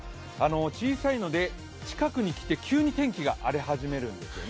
小さいので、近くに来て急に天気が荒れ始めるんですよね。